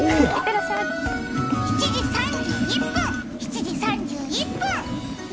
７時３１分、７時３１分。